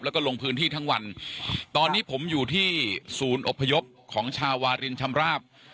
แล้วก็ลงพื้นที่ทั้งวันตอนนี้ผมอยู่ที่ศูนย์อบพยพของชาวารินชำราบ